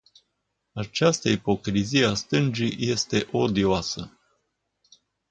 Această ipocrizie a stângii este odioasă.